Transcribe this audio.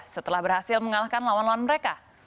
setelah berhasil mengalahkan lawan lawan mereka